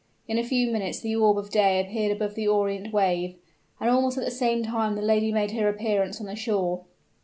In a few minutes the orb of day appeared above the Orient wave and almost at the same time the lady made her appearance on the shore.